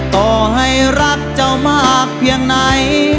ต่อให้รักเจ้ามากเพียงไหน